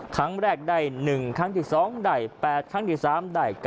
ครั้งแรกได้๑ครั้งที่๒ได้๘ครั้งที่๓ได้๙